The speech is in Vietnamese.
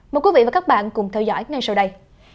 mời quý vị và các bạn cùng theo dõi ngay sau đây